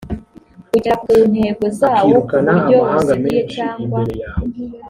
ugera ku ntego zawo ku buryo buziguye cyangwa